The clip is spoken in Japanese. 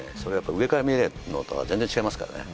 上から見えるのとは全然違いますからね。